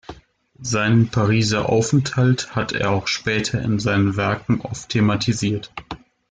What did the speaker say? Seinen Pariser Aufenthalt hat er auch später in seinen Werken oft thematisiert.